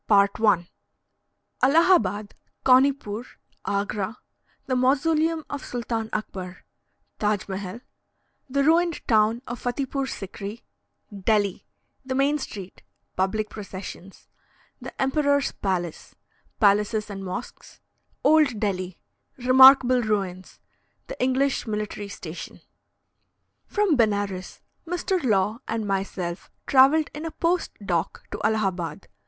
ALLAHABAD CAUNIPOOR AGRA THE MAUSOLEUM OF SULTAN AKBAR TAJ MEHAL THE RUINED TOWN OF FATIPOOR SIKRI DELHI THE MAIN STREET PUBLIC PROCESSIONS THE EMPEROR'S PALACE PALACES AND MOSQUES OLD DELHI REMARKABLE RUINS THE ENGLISH MILITARY STATION. From Benares, Mr. Law and myself travelled in a post dock to Allahabad.